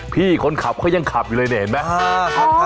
พี่คนขับเขายังขับอยู่เลยเนี่ยเห็นไหม